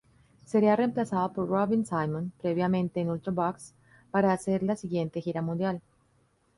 Sería reemplazado por Robin Simon, previamente en Ultravox, para hacer la siguiente gira mundial.